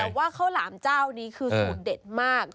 แต่ว่าข้าวหลามเจ้านี้คือสูตรเด็ดมาก